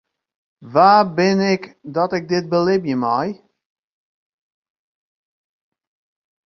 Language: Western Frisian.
Wa bin ik dat ik dit belibje mei?